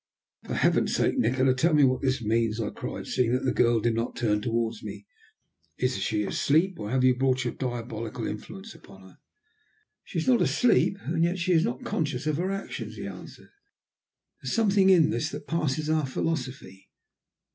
"For heaven's sake, Nikola, tell me what this means," I cried, seeing that the girl did not turn towards me. "Is she asleep, or have you brought your diabolical influence upon her?" "She is not asleep, and yet she is not conscious of her actions," he answered. "There is something in this that passes our philosophy.